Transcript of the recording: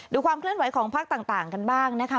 ความเคลื่อนไหวของพักต่างกันบ้างนะคะ